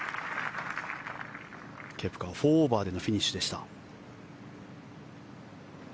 ケプカは４オーバーでのフィニッシュでした。